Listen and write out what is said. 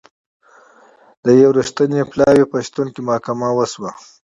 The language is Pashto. د یوه منصفه پلاوي په شتون کې محاکمه وشوه.